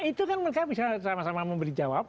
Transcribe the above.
itu kan mereka bisa sama sama memberi jawab